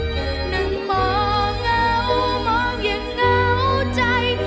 หนึ่งมองเงามองอย่างเหงาใจ